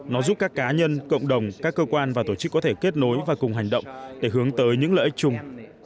nó giúp các cá nhân cộng đồng các cơ quan và tổ chức có thể kết nối và cùng hành động để hướng tới những lợi ích chung